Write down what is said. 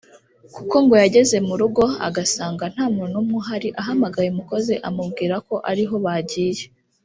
kuko ngo yageze mu rugo agasanga nta muntu n’umwe uhari ahamagaye umukozi amubwira ko ariho bagiye